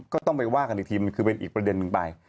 ก็ต้องไปว่ากันอีกทีมันคือเป็นอีกประเด็นนึงไป